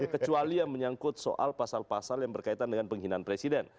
kecuali yang menyangkut soal pasal pasal yang berkaitan dengan penghinaan presiden